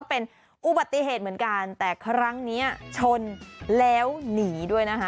เป็นอุบัติเหตุเหมือนกันแต่ครั้งนี้ชนแล้วหนีด้วยนะคะ